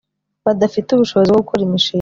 badafite ubushobozi bwo gukora imishinga